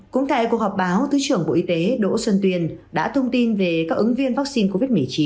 cũng tại cuộc họp báo thứ trưởng bộ y tế đỗ xuân tuyên đã thông tin về các ứng viên vaccine covid một mươi chín